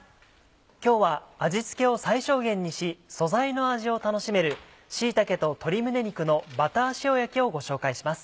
今日は味付けを最小限にし素材の味を楽しめる「椎茸と鶏胸肉のバター塩焼き」をご紹介します。